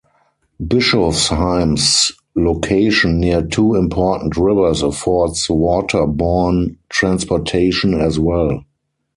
Bischofsheim's location near two important rivers affords waterborne transportation as well.